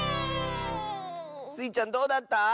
スイちゃんどうだった？